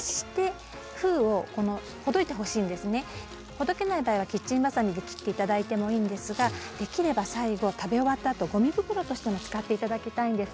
ほどけない場合はキッチンばさみで切って頂いてもいいんですができれば最後食べ終わったあとゴミ袋としても使って頂きたいんです。